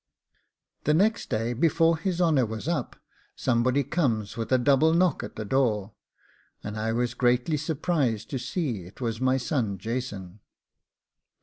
The next day, before his honour was up, somebody comes with a double knock at the door, and I was greatly surprised to see it was my son Jason.